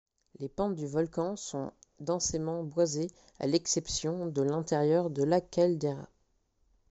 Les pentes du volcan sont densément boisées à l'exception de l'intérieur de la caldeira.